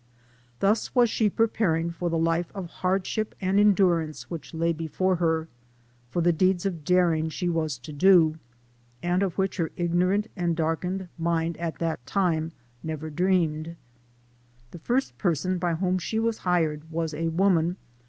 Thus was she preparing for the life of hardship and endurance which lay before her, for the deeds of daring she was to do, and of which her ignorant and darkened mind at tii'iit i .ii'<" i:< \ cr dreamed. Tin liivt, <perso>i ,by w,hom she was hired was a vcuuv.